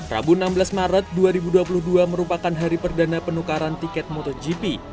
rabu enam belas maret dua ribu dua puluh dua merupakan hari perdana penukaran tiket motogp